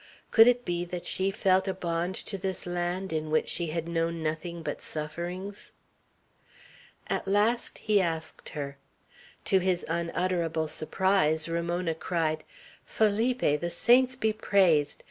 Could it be that she felt a bond to this land, in which she had known nothing but sufferings. At last he asked her. To his unutterable surprise, Ramona cried: "Felipe! The saints be praised!